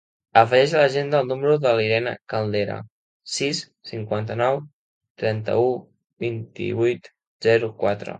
Afegeix a l'agenda el número de l'Irene Caldera: sis, cinquanta-nou, trenta-u, vint-i-vuit, zero, quatre.